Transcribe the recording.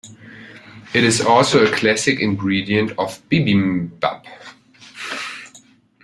It is also a classic ingredient of bibimbap.